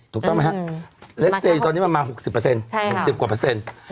ถูกต้องไหมฮะตอนนี้อีกประมาณหกสิบเปอร์เซ็นต์ใช่หรออกกว่าเปอร์เซ็นต์